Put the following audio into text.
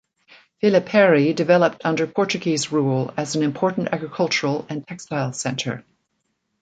Vila Pery developed under Portuguese rule as an important agricultural and textiles centre.